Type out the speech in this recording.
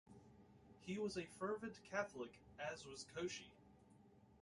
He was a fervent Catholic, as also was Cauchy.